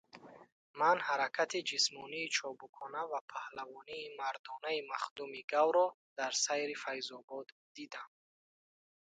Ман ҳаракати ҷисмонии чобукона ва паҳлавонии мардонаи Махдуми Гавро дар сайри Файзобод дидам.